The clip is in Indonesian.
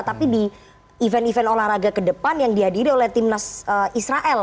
tapi di event event olahraga kedepan yang dihadiri oleh timnas israel